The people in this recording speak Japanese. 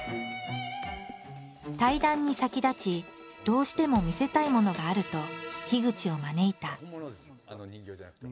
対談に先立ちどうしても見せたいものがあると口を招いた。